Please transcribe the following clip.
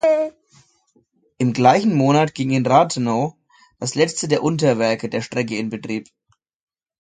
Im gleichen Monat ging in Rathenow das letzte der Unterwerke der Strecke in Betrieb.